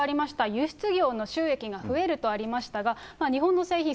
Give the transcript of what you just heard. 輸出業の収益が増えるとありましたが、日本の製品、